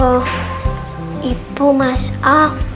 oh ibu masak